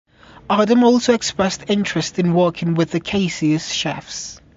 Adam also expressed interest in working with The Kaiser Chiefs.